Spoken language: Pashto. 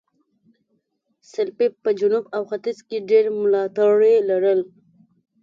سلپيپ په جنوب او ختیځ کې ډېر ملاتړي لرل.